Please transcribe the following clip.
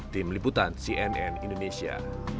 tim liputan cnn indonesia